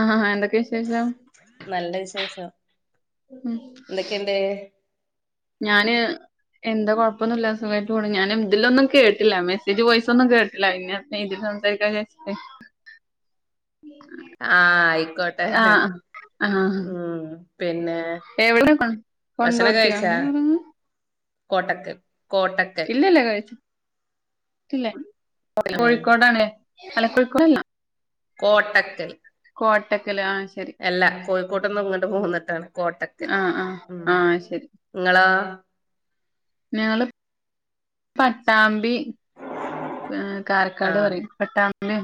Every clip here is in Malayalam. ആഹ് എന്തൊക്കെ വിശേഷം നല്ല വിശേഷം ഉം എന്തൊക്കെയുണ്ട് ഞാന് എന്താ കൊഴപ്പൊന്നുല്ല സുഖായ്ട്ട് പോണ് ഞാന് തിലൊന്നും കേട്ട്ല്ല മെസ്സേജ് വോയിസ് ഒന്നും കേട്ട്ല്ല ഇ [unintelligible] [unintelligible] ച്ട്ടെ ആഹ് അയ്ക്കോട്ടെ ആഹ് ആഹ് ഉം പിന്നെ എവിടെ കൊ- ഭക്ഷണാെക്കെ കൊണ്ടോട്ടിയോ കഴ്ച്ചാ കോട്ടക്കൽ കോട്ടക്കൽ ഇല്ലല്ല കഴിച്ച് ട്ട്ല്ല ആഹ് കോഴിക്കോടാണ് അല്ല കോഴിക്കോടല്ലാ കോട്ടക്കൽ കോട്ടക്കല് ആഹ് ശരി എല്ലാ കോഴിക്കോട്ട്ന്ന് ഇങ്ങട്ട് പോന്ന്ട്ടാണ് കോട്ടക്കൽ ആഹ് ആഹ് ഉം ആഹ് ശരി ഇങ്ങളോ? ഞങ്ങള് പട്ടാമ്പി കാരക്കാട് ആഹ് പറയും പട്ടാമ്പി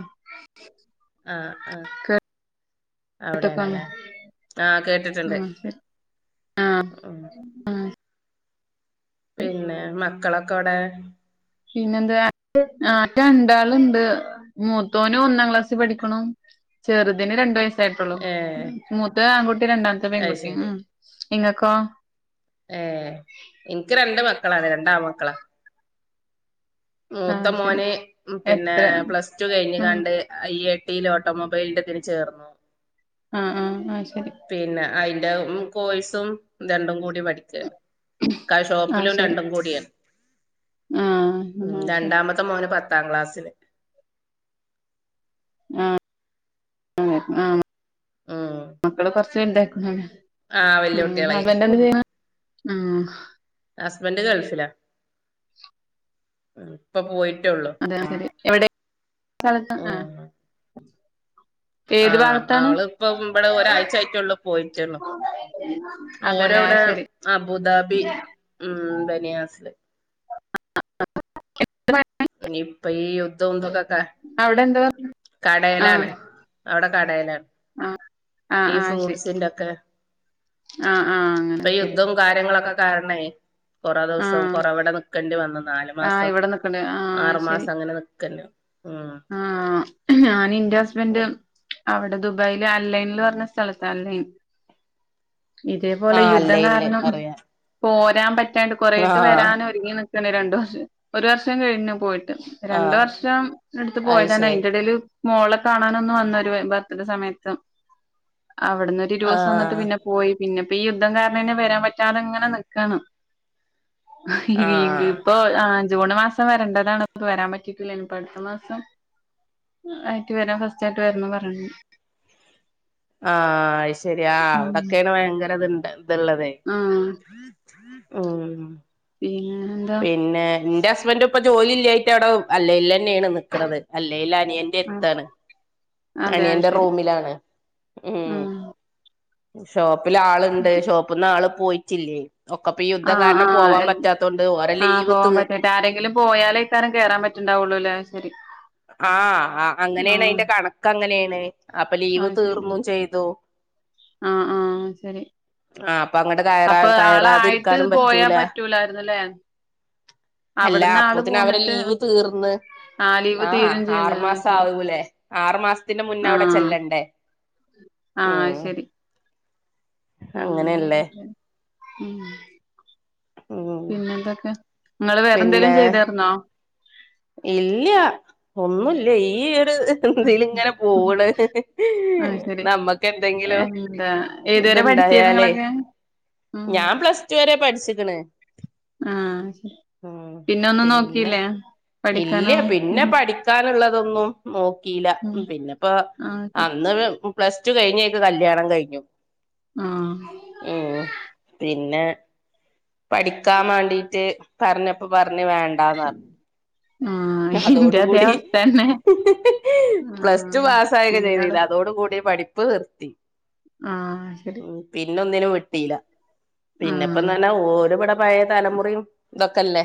ആഹ് ആഹ് കോട്ടക്കലാണ് അവിടെയാണല്ലേ ആഹ് കേട്ടിട്ടുണ്ട് ശരി ആഹ് ഉം ആഹ് പിന്നെ മക്കളൊക്കെ വിടെ? പിന്നെന്താ ആഹ് രണ്ടാളുണ്ട് മൂത്തോന് ഒന്നാം ക്ലാസ്സി പഠിക്ക്‌ണു. ചെറുതിന് രണ്ടു വയസ്സ് തായ്സൊള്ളു. ഏഹ് മൂത്ത ആൺകുട്ടി രണ്ടാമത്തെ അത് പെൺകുട്ടി. ശരി ഉം ഇങ്ങക്കോ? ഏഹ് ഇൻക്ക് രണ്ട് മക്കളാണ്. രണ്ടാൺ മക്കളാ ആഹ് മൂത്ത ശരി മോന് പിന്നെ എത്ര പ്ലസ് ടു ഉം കഴിഞ്കാണ്ട് അയ്യേ ട്ടീൽ ഓട്ടോമൊബൈലിന്റെതിന് ചേർന്നു. അഹ് ആഹ് ആഹ് ശരി ലെ ഉം കോയ്സും രണ്ടും കൂടി പഠിക്കാണ്. കഹ് ആഹ് ഷോപ്പിലും ശരി രണ്ടും കൂടിയാ ആഹ് ഉം ആഹ് ശരി രണ്ടാമത്തെ മോന് പത്താം ക്ലാസ്സില്. ആഹ് ആഹ് ഉം മക്കള് കൊറച്ച്ണ്ട് [unintelligible] ആഹ് വല്യ ഉം കുട്ടികളായി ഹസ്ബൻഡ് ന്തായ്യണെ? ഉം ഹസ്ബൻഡ് ഗൾഫിലാ. ഇപ്പൊ പോയി അതെ ശരി എവിടെ സ്ഥലത്ത് ആഹ് ഉം ഏത് ആഹ് ഭാഗത്താണ് അവള്പ്പം ഇവടെ ഒരാഴ്ച ആയിട്ടോള്ളൂ പോയിറ്റെള്ളു. അതെല്ലേ ഓരോ ആഹ് ടെ ശരി അബുദാബി ഉം ബനിയാസില് ഇപ്പൊ ഈ യുദ്ധവുംതൊക്കെ ക്ക അവിടെ എന്താ ആഹ് കടേലാണ് അവടെ കടേലാണ്. ആഹ് ആഹ് ഈ ആഹ് ശരി ഫ്രൂട്ട്സിന്റെ ഒക്കെ ആഹ് ആഹ് അങ്ങനെ പ്പൊ ശരി യുദ്ധം കാര്യങ്ങളൊക്കെ കാരണ കൊറേ ദിവസം കൊറവിടെ നിക്കണ്ടി വന്നന്ന് ആ ഇവിടെ ന്ക്ക്ണ്ട് ആ ആ ശെരി അങ്ങനെ നിക്കല്ലോ ഉം ആ ഞാന് ന്റെ ഹസ്ബന്റ് അവടെ ദുബായില് അൻലൈൻന്ന് പറഞ്ഞ സ്ഥലത്ത് അൻലൈൻ ഇതേപോലെ ആഹ് യുദ്ധം അല്ലേ ഇല്ലേ കാരണം അറിയാം പോയ രാൻ പറ്റാണ്ട് കൊറേക്കെ ആഹ് വെരാൻ ഒരുങ്ങി നിക്ക്ണ് രണ്ട് വർഷം ഒരു വർഷം കഴിഞ്ഞു പോയിട്ട് ർഷ് രണ്ട് ആഹ് വർഷം ത്ത് അത് പോയതാണ് ശരി അയ്ന്റെ എടേല് മോളെ കാണാനൊന്നു വന്നു ഒരു ബർത്ത്ഡേ സമയത്ത് അവിട്ന്നൊരു ഇരുവൂസം നിന്ന്ട്ട് ആഹ് പിന്നെ പോയി പിന്നെപ്പ ഈ യുദ്ധം കാരണം ന്നേ വെരാൻ പറ്റാതങ്ങനെ നിക്കാണ് ആഹ് ആ് ജൂണ് മാസം വരണ്ടതാണ് പ്പൊ വെരാൻ പറ്റിറ്റില ഇനിപ്പോ അടുത്ത മാസം ആയിട്ട് വെരാ ഫസ്റ്റായിട്ട് വരണം പറയ ആ അത് ശെരി ഉം അവടെക്കെണ് ഭയങ്കരത് ത് ള്ളതേ ആഹ് ഉം പിന്നെന്താ പിന്നെ ന്റെ ഹസ്ബന്റും ഇപ്പ ജോലില്ലായിട്ട് അവടെ അല്ലെയ് ന്നെണ് നിക്ക്ണത് അല്ലേല് അനിയന്റെട് ആഹ് ത്താണ് അതെ അത് അനിയന്റെ ശരി റൂമിലാണ് ഉം ഷോപ്പിലാള്ണ്ട് ഷോപ്പ്ന്ന് ആള് പോയിട്ടില്ലേ ഒക്കപ്പ ഈ ആ യുദ്ധം ആ കാരണം ആ പോവാൻ എൽ പറ്റാത്തോണ്ട് ഓരെ ആ ലീവ് തീ പോവാൻ പറ്റായ്ട്ട് ആരെങ്കിലും പോയാലേക്കാരം കേറാൻ പറ്റ് ണ്ടാവൊള്ളൂ ല്ലേ ആഹ അങ്ങനെയാണ് ആഹ് അതിന്റെ കണക്ക് അങ്ങനെയാണ് അപ്പൊ ലീവ് അത് ശരി തീർന്നും ചെയ്തുോ ആഹ് ആഹ് ശരി ആഹ അപ്പൊ അങ്ങട്ട് കയറാ അപ്പൊ കയറാതെ ആളായിട്ട് ഇരിക്കാനും പോയാ പറ്റൂല പറ്റൂലായിരുന്നുല്ലേ അല്ല അവിടുന്ന് ആള് അപ്പത്തിനെ അവരെ പോന്നിട്ട് ലീവ് തീർന്ന് ആഹ് ലീവ് തീരും ആഹഹാ ചെയ്ത് ആഹ് ആറുമാസം ശരി ആവൂലേ ആറു മാസത്തിന് മുന്ന അവിടെ ആഹ് ചെല്ലണ്ടേ ഉ ആഹ് അത് ശരി ഉം ഉം ഉം പിന്നെ എന്തൊക്കെ നിങ്ങള്ൾ വേറെ എന്തെലും പിന്നെ ചെയ്തരുന്നോ ഇല്ല ഒന്നുമില്ല ഈ എന്തലും ഇങ്ങനെ പോണ് അത് ശരി നമ്മക്ക് എന്തെങ്കിലും വേറെ ഇത്ണ്ടായാലേ പഠിച്ചേവങ്ങളൊക്കെ ഞാൻ പ്ലസ് ടു വരെ പഠിച്ചിക്കണ് ആഹ ശ പിന്ന ഒന്നും പിന്നെ നോക്കില്ലേ പഠ ഇല്ല പിന്നെ പഠിക്കാൻ തൊന്നും നോക്കി ഉം പിന്നെപ്പോ ആഹ് ശരി. അന്ന് പ്ല പ്ലസ് റ്റു കഴിഞ്ഞക്ക് കല്യാണം കഴിഞ്ഞു ആഹ് ഉ പിന്നെ പഠിക്കാൻ വേണ്ടിട്ട് പറഞ്ഞപ്പ പറഞ്ഞ് വേണ്ടാന്ന് പറഞ്ഞു ആഹ് ഇന്റെ അതേ അതോടുകൂടി അവസ്ഥന്നെ പ്ലസ് ടു ആഹ് പാസ് ആായക്കെ പിന്നട് ചെയഴതിന്ന് അതോ കൂടി പഠിപ്പ് നിർത്തി ആഹ് ശരി ഉ പിന്നൊ ഒന്നിനും വെട്ടില്ല ആഹ് പിന്നെപ്പന്തഞ്ഞാ ഓരിവിട പയ തലമുറയും ഇതൊക്കെല്ലേ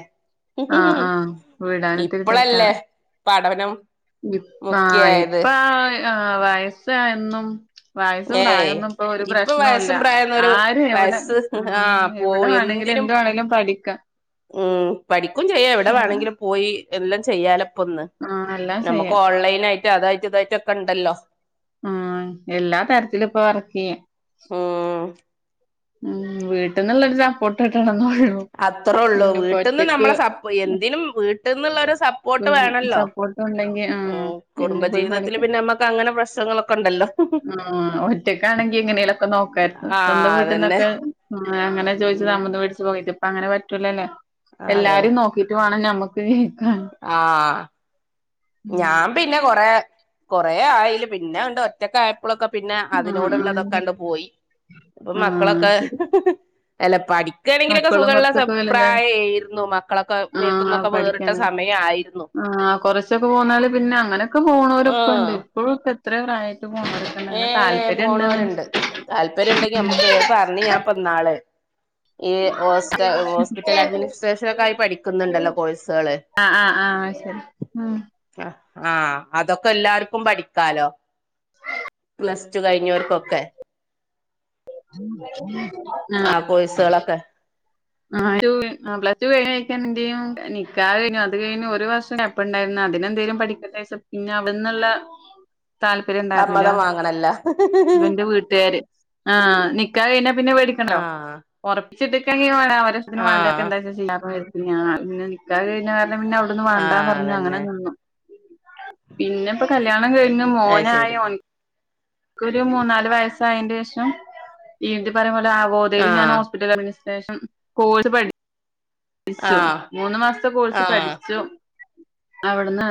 ആഹ് ആഹ വിീടാനത്തിരി തരക്കാണ് പടവനം ഇ ആ ഇപ്പ ആ വയസ്സ എന്നും വയസ്സ ഏയ് പ്രായമൊന്നും ഇപ്പൊ ഒരു പ്രശ്നല്ല വയസ്സും പ്രായംന്ന് ഒരു ആര എവിടെ വയസ്സ് ഉ ആഹ് പോ എവിടെ വേണ എന്തിനും എന്താണെങ്കിലും പഠിക്കാം ഉം പഠിക്കും ചെയ്യാം എവിടെ വേണമെങ്കിലും പോയി എല്ലാം ചെയ്യാലപ്പൊ ഒന്ന് ആഹ് എല്ലാം നമുക്ക് ചെയ്യാം ഓൺലൈൻ ആായിട്ട് അതായിട്ട് ഇതായിട്ടൊക്കെ ഉണ്ടല്ലോ ഉം എല്ലാ തരത്തിലും ഇപ്പൊ വർക്ക് ചെയ്യ ഉം ഉ വീട്ടിൽന്നുള്ളൊരു സപ്പോർട്ട് കട്ട അത്രേ ഉള്ളൂ വീട്ടിൽന്ന് നമ്മളെ സപ്പോ എന്തിനും വീട്ടിൽന്നുള്ളരു സപ്പോർട്ട് വേണല്ലോ സപ്പോർട്ട് ഉണ്ടെങ്കി ആഹ് ഉം പിന്നെ പോയി കുടുംബജീവിതത്തിൽ പിന്നെ നമ്മുക്ക് അങ്ങനെ പ്രശ്നങ്ങളൊക്കെ ഉണ്ടല്ലോ ആ ഒറ്റക്കാണെങ്കി എങ്ങനെലൊക്കെ നോക്കായിരുന്നു സ്വന്തം ആഹ് അതന്നെ വീട്ടിൽന്നൊക്കെ അങ്ങനെ ചോദിച്ചു ഉം നമന്ന് വിടിച്ചു പോയി് അങ്ങനെ പറ്റൂലല്ലേ അതെ എല്ലാരും നോക്കിട്ട് വേണം ഞമ്മക്ക് ജീവിക്കാൻ ആഹ ഞാൻ പിന്നെ കൊറ കൊറെ ആയല് പിന്നെ ഉണ്ട് ഒറ്റക്ക ആ മക്കളൊക്കെ പിന്നെ ആഹ് ആഹ് അതിനോടുള്ളതൊക്കെണ്ട് പോയി ഇപ്പൊ ആഹ് മക്കളൊക്കെ ശരി എലപ്പാടി എനിക്കണേങ്കിലൊക്കെ മക്കളും സുഖമുള്ള കൊറച്ചൊക്കെ വലുതായി പ്രായായിരുന്നു മക്കളൊക്കെ മേത്തന്നൊക്കെ വേറിട്ട സമയ ആയിരുന്നു ആ് കുറച്ചൊക്കെ പോന്നാല് പിന്നെ അങ്ങനെയൊക്കെ പോണവരൊക്കെ ഉണ്ട് ഇപ്പോഴുമൊക്കെ എത്രയ പ്രായം ഏ പോണവരുണ്ട് താല്പര്യം ഉണ്ടെങ്കി നമ്മുക്ക് പറഞ്ഞു ഞാൻ പന്നാള് ഈ ഹോസ് ഹോസ്പിറ്റൽ അഡ്മിനിസ്ട്രേഷന ഒക്കൊയി പഠിക്കുന്നുണ്ടല്ലോ കോഴ്സുകള് ആഹ് ആഹ ആഹ് ശരി ഉം ആഹ അതൊക്കെ എല്ലാർക്കും പഠിക്കാലോ പ്ലസ് ടു കഴിഞ്ഞവർക്കൊക്കെ [unintelligible] ആഹ കൊഴ്‌സകളൊക്കെ ആ പ്ലസ് കഴിഞ്ഞു എന്ത്ചെയും നിക്കാ കഴിഞ്ഞു അത് കഴിഞ്ഞ ഒരു വർഷം ഗ്യാപ് ഉണ്ടായിരുന്നു അതിനെന്തേലും പഠിക്ക പിന്നെ അവിടെന്നുള്ള താല്പര്യം ഉണ്ടായിരുന്നില്ല സമ്മതം വാങ്ങണല്ലോ ഹസ്ബൻന്റെ വീട്ടുകാര് ആ നിക്ക കഴിഞ്ഞ പിന്നെ മേടിക്കണ്ടോ ആഹ് ഉറപ്പിച്ചിട്ടക്ക [unintelligible] പിന്നെ ആഹ് അവിടന്ന് വേണ്ടാ ആഹ് പറഞ്ഞു അങ്ങനെ അതന്നെ നിന്നു പിന്നെ ഇപ്പോ കല്യാണം കഴിന്ന് അത് മോനായ ശരി ഓൻ ഒരു മൂന്ന നാല് വയസായതിന്റെ ശേഷം ഈ പറയ പോല ആ ഗോതയിൽ ഞാൻ ആഹ് ഹോസ്പിറ്റല ശേഷം കോഴ്സ് പഠിച്ചു ആഹ് മൂന്ന് മാസത്തെ കോഴ്സ് ആഹ് പഠിച്ചു അവിടുന്ന്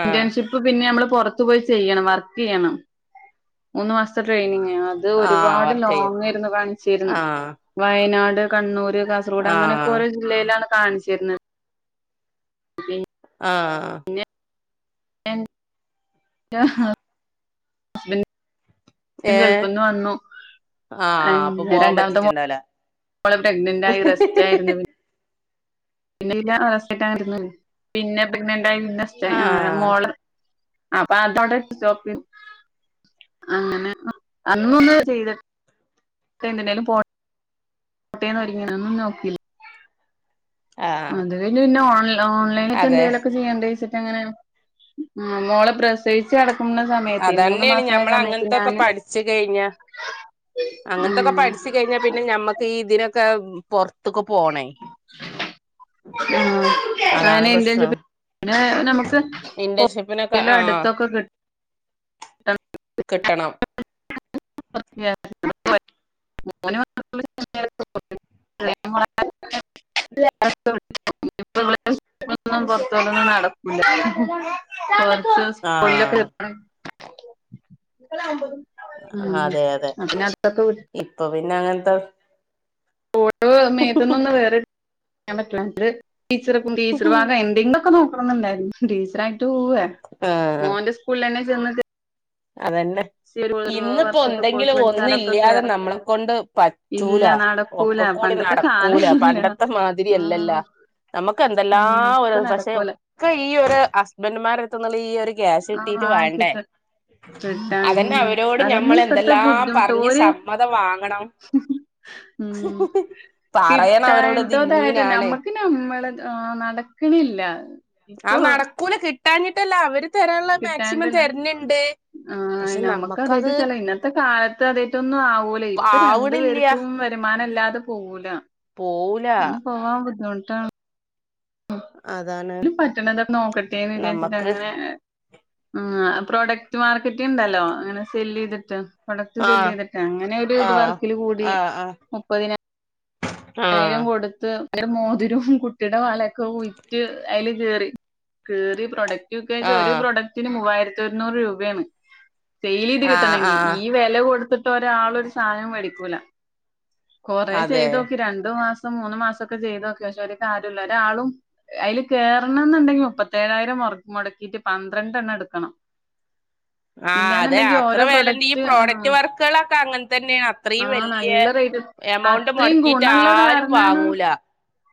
ആഹ് ഇന്റേൺഷിപ്പ് പിന്നെ നമ്മൾ പുറത്ത പോയി ചെയ്യണം വർക്ക് ചെയ്യണം മൂന്ന് മാസത്തെ ട്രെയിനി അത് ആഹ് ഒരുപാട് വർക്ക് ലോങ് ചെയ്യണം ആയിരുന്നു കാണിച്ചിരുന്നു ആഹ് വയനാട് കണ്ണൂർ കാസർഗോഡ് അങ്ങനെയൊക്കെ ആഹ് ഒരു ജില്ലയിലാണ് കാണിച്ചു തരുന്നത് ഉം ആഹ എന്ത്‌ ആ ഏഹ് ഗൾഫിന്നു വന്നു ആഹ് അപ്പൊ പോവാൻ രണ്ടാമത്തെ മോൻ പറ്റിട്ടുണ്ടാവൂല നമ്മൾ പ്രഗ്നന്റ് ആായി റസ്റ്റാ യിരുന്നു പിന്നെ വ അവസ്ഥായിട്ടാരുന്നു പിന്നെ പ്രഗ്നന്റ് ആയി പിന്നെ ആഹ് മോള അപ്പൊ ആ ടോപ്പിങ് അങ്ങനെ അന്ന ഒന്ന് ചെയ്തിട്ട എന്നാലും പോ കോട്ടേന്ന്ങ്ങ ഒന്നും നോക്കില്ല ആഹ് അത് കഴിഞ്ഞ് പിന്ന ഓ ഓൺ ലൈനായിട്ട് അതെ എന്തെലിലൊക്കെ ചെയ്യാ ങ്ങന ആ മോളെ പ്രസവിച്ച് കിടക്ക അതന്നെയാണ് ഞമ്മള അങ്ങനത്തൊക്കെ ഞാന് പഠിച്ചു കഴിഞ്ഞ അങ്ങനത്തൊക്കെ ഉം പഠിച്ച കഴിഞ്ഞാൽ പിന്നെ ഞമ്മക്ക് ഈ ഇതിനൊക്കെ പൊറത്തക്ക് പോണേ ആ അതാണ് അനെ എന്ത് പ്രശ്നം നമുക്ക് ഇന്റേൺഷിപ്പിനൊക്കെ പോലും ആ അടുത്തൊക്കെ കിട്ട കിട്ടണം [unintelligible] [inaudible] [unintelligible] പുറത്ത നടക്ക [inaudible] ആ കൊള്ളെ [unintelligible] അതെ അതെ വിട്ട് ഇപ്പൊ പിന്നെ അങ്ങനെത്തെ ഓഓരോ മേത്തന്നൊന്നന്ന് വേറൊൻ പറ്റില്ലണ്ട് ടീച്ചർ ടീച്ചർ ഭാഗം എന്തെങ്കിലും ക്കെ നോക്കണണ്ടായിരുന്നു ടീച്ചറായിട്ട് പോവേ ആ മോന്റെ സ്കൂളിൽ തന്നെ ചെന്ന അതന്നെ ഇന്നപ്പോ വർഷത്തെ കോഴ്സ് എന്തെങ്കിലും പഠിച്ചാലൊക്കെ ഒന്നില്ലാതെ കേറാ നമ്മളെ കൊണ്ട് ഇല്ല പറ്റൂല നടക്കൂല ഒക്കകൂ കൂടി പണ്ടത്തെ നടക്കൂല കാലം ഇല്ല പണ്ടത്തെ മാതിരിയല്ലല്ല ആഹ് നമുക്ക് ഉം എന്തെല്ലാം ഒരു ഇപ്പൊ പക്ഷെ നടക്കൂല ഒക്കെ ഈ ഒരു ഹസ്ബൻഡുമാര് ഈ ഒരു ഗ്യസ് കിട്ടീട്ട് വേണ്ടേ കട്ട അതന്നെ അവരോട് ഞമ്മൾ അതല്ലാം ഇപ്പത്തെ എന്തെല്ലാം ബുദ്ധിമുട്ട് പറഞ്ഞ് ഒരുര് സമ്മതം വാങ്ങണം ഉം പറയണം അവരോട് ഇത് കിട്ടാൻട്ടോതായിട്ടല്ല ഇന്നീനാണ് നമ്മക്ക് നമ്മള് നടക്കണില്ല ആ ഇപ്പൊ നടക്കൂല കിട്ടാഞ്ഞിട്ടല്ല അവര് തരാനുള്ള മാക്സിമം തരണിണ്ട് ആ നമ്മുക്ക് അതായിട്ട് ചെല ഇന്നത്തെ കാലത്ത് അതായിട്ട ഒന്നും ആവൂലേ ഇപ്പൊ രണ്ടു ആവണില്ല പേർക്കും വരുമാനം ഇല്ലാതെ പോവൂല പോവൂല അങ്ങനെ പോവാൻ ബുദ്ധിമുട്ടാണ് അതെ ഒരു പറ്റണതൊക്കെ നോക്കട്ടെന്ന് വിചാരിച്ചിട്ട് അങ്ങനെ പ്രോഡക്റ്റ് മാർക്കറ്റ ഉണ്ടല്ലോ അങ്ങനെ സെല് ചെയ്തിട്ട് പ്രൊഡക്റ്റ് സെല്ല് ആഹ് ചെയ്തിട്ടെ അങ്ങനെ ഒരു ഇത് ആഹ് വർക്കിൽ കൂടി ആഹ് ആഹ് മുപ്പതിന ആയിരം ആഹ് കൊടുത്ത് ഭര മോതിരവും കുട്ടിയുടെ വളയൊക്കെ ഉറ്റ് അതിൽ കറി കയറിയ പ്രോഡക്റ്റ് കെജ ഒരു ആഹ് പ്രൊഡക്ടിന് മുവ്വായിരതൊർന്നൂർ രൂപേണ്. സെയിത് ആഹ് കിട്ടണെങ്കി ആഹ് ഈ വെല കൊടുത്തിട്ട് ഒരാളൊരു സാനം മേടിക്കൂല. കൊറേ അതെ ചെയ്തോ. രണ്ടു മാസം മൂന്ന് മാസൊക്കെ ചെയ്തോക്കി പക്ഷെ ഒരു കാര്യോല്ല ഒരാളും അയ്ല് കേറണന്നുണ്ടെങ്കി മുപ്പതെട്ട് ഏഴായിരം മൊർ മൊടക്കീറ്റ് പന്ത്രണ്ടെണ്ണം എടുക്കണം. ആ അതെ ഇല്ലാന്നുണ്ടെങ്കി അത്ര ഓരോ വെലണ്ടീ ഈ പ്രൊഡക്റ്റ് ആഹ് പ്രോഡക്റ്റ് വർക്കാളൊക്കെ അങ്ങൻതന്നെയ അത്രയും വല്ല്യേ ഇത് അത്രേം ഗുണുള്ള കാർണാണ്. വാങ്ങൂല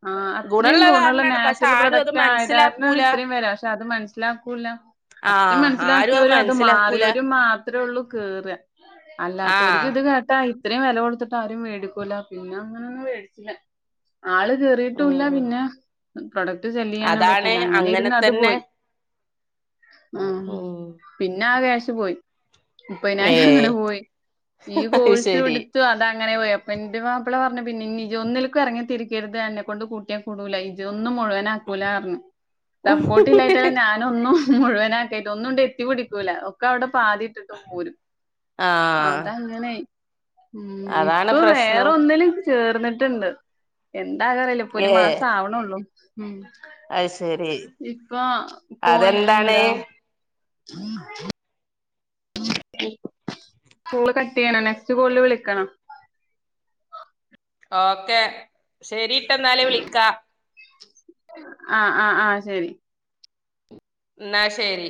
ആ അത്രേം ഗുണള്ള ഗുണൊള്ള കാരനാണ് പക്ഷെ നാച്ചുറൽ ആരും അത് പ്രൊഡക്റ്റ് ആയതാരനാണ് മനസ്സിലാക്കൂല ഇത്രയും വെല പക്ഷെ അത് മനസിലാക്കൂല്ല. സത്യം ആഹ് ആരും മനസ്സിലാക്കിയോര് അത് മനസ്സിലാക്കൂല മാറിയോര് മാത്രൊള്ളു കേറാ അല്ലാതോര്ക് ആഹ് ഇത് കേട്ടായി ഇത്രയും വെല കൊടുത്ത്ട്ട് ആരും വേടിക്കൂല പിന്ന അങ്ങനൊന്നും മേടിക്കൂല. ആള് കേറീട്ടുല്ല ഉം പിന്നെ പ്രൊഡക്ട് സെല്ലെയ്യാനും അതാണ് പറ്റീല്ല അങ്ങനെ ഇര്ന്ന് അത് തന്നെ പോയി. ആ ഉം പിന്നെ ആ കാശ് പോയി. മുപ്പയ്നായിരം അങ്ങനെ ഏഹ് പോയി ഈ അത് ശരി കോഴ്സെട്ത്ത് അതങ്ങനെ പോയി അപ്പന്റെ മാപ്പ്ള പിന്നെ ഇനി ജോന്ന്ൽകും എറങ്ങി തിരിക്കര്ത് എന്നെക്കൊണ്ട് കൂട്ടിയാ കൂടൂല ഇജോ ന്നും മുഴുവനാക്കൂലർന്ന് സപ്പോർട്ട്ല്ലായ്ട്ടന്നെ ഞാനൊന്നും മുഴുവനാക്കയ്ട്ട് ഒന്നും എത്തി പിടിക്കൂല ഒക്കെ അവിടെ പാതിട്ട്ട്ട് പോരും ആഹ് അതങ്ങനെ ഉം അതാണ് ഇപ്പൊ പ്രശ്നം വേറൊന്നിലും ചേർന്നിട്ട്ണ്ട് ണ്ടാകറ്ല്ല ഇപ്പൊരു മാസം ആവണൊള്ളു ഉം. അയ്ശ്. ഇപ്പൊ കോയി അതെന്താണ് എന്താ കോള് കട്ടെയ്യാണ് നെസ്റ്റ് കോളി വിളിക്കണം. ഓക്കെ ശെരിട്ടന്നാല് വിളിക്കാ. ആ ആ ആ ശെരി. ന്നാ ശെരി.